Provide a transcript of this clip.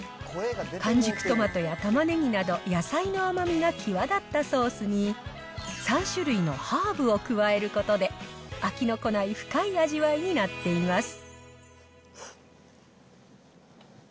完熟トマトやたまねぎなど野菜の甘みが際立ったソースに、３種類のハーブを加えることで、飽きのこない深い味わいになっています。